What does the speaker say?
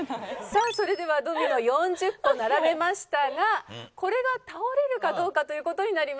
さあそれではドミノ４０個並べましたがこれが倒れるかどうかという事になります。